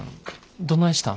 どないしたん？